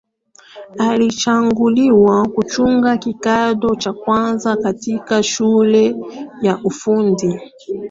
alichaguliwa kujiunga kidato cha kwanza katika shule ya Ufundi